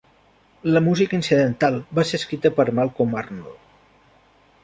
La música incidental va ser escrita per Malcolm Arnold.